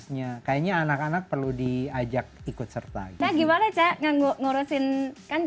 dengan lokalitasnya kayaknya anak anak perlu diajak ikut serta gimana cak ngurusin kan